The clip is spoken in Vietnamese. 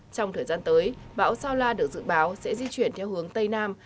trong thời gian tới bão sao la được dự báo sẽ di chuyển theo hướng tây nam